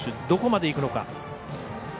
どこまでいくのか。